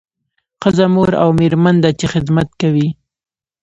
ښځه مور او میرمن ده چې خدمت کوي